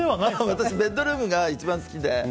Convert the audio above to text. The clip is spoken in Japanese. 私、ベッドルームが一番好きで。